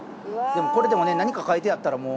これでもね何か書いてあったらもう。